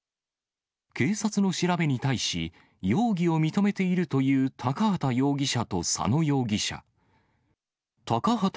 警察の調べに対し、容疑を認めているという高畑容疑者と佐野容疑者。